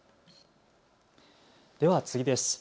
では次です。